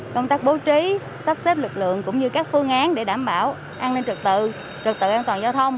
công tác bố trí sắp xếp lực lượng cũng như các phương án để đảm bảo an ninh trực tự trực tự an toàn giao thông